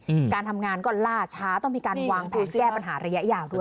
อืมการทำงานก็ล่าช้าต้องมีการวางแผนแก้ปัญหาระยะยาวด้วย